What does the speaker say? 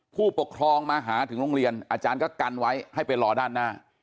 ผู้ปกครองมาหาถึงโรงเรียนอาจารย์ก็กันไว้ให้ไปรอด้านหน้า